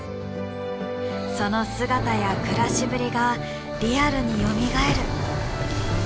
その姿や暮らしぶりがリアルによみがえる。